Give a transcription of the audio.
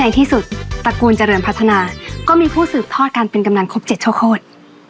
ที่สุดตระกูลเจริญพัฒนาก็มีผู้สืบทอดการเป็นกำนันครบ๗ชั่วโคตร